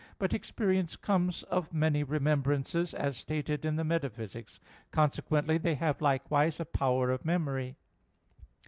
But experience comes of many remembrances, as stated in Metaph. i, 1. Consequently they have likewise a power of memory.